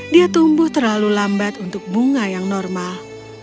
dia tumbuh terlalu lambat untuk bunga yang normal